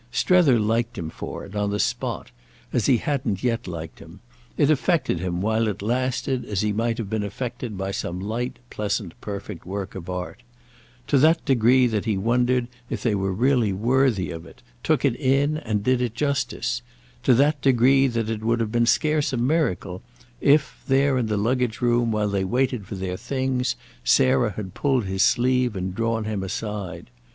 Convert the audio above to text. Strether liked him for it, on the spot, as he hadn't yet liked him; it affected him while it lasted as he might have been affected by some light pleasant perfect work of art: to that degree that he wondered if they were really worthy of it, took it in and did it justice; to that degree that it would have been scarce a miracle if, there in the luggage room, while they waited for their things, Sarah had pulled his sleeve and drawn him aside.